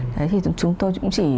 đấy thì chúng tôi cũng chỉ